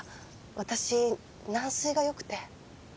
私軟水がよくて。